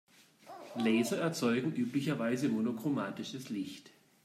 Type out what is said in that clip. Laser erzeugen üblicherweise monochromatisches Licht.